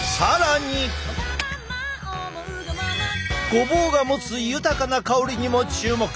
ごぼうが持つ豊かな香りにも注目！